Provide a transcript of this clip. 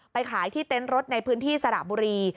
ขายที่เต็นต์รถในพื้นที่สระบุรี